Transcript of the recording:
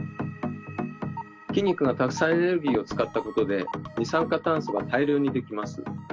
筋肉がたくさんエネルギーを使ったことで二酸化炭素が大量にできます。